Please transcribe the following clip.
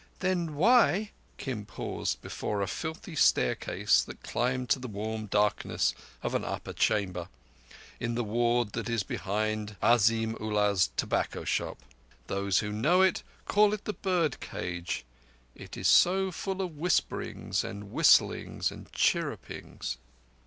"Then why—?" Kim paused before a filthy staircase that climbed to the warm darkness of an upper chamber, in the ward that is behind Azim Ullah's tobacco shop. Those who know it call it The Birdcage—it is so full of whisperings and whistlings and chirrupings.